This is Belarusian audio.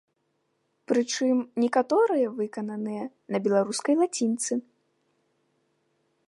Прычым, некаторыя выкананыя на беларускай лацінцы.